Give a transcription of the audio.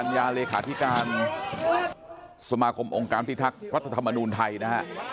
ยาเลขาธิการสมาคมองค์การพิทักษ์รัฐธรรมนูญไทยนะฮะ